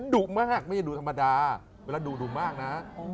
ดุมากไม่ใช่ดุธรรมดาเวลาดุดุมากนะ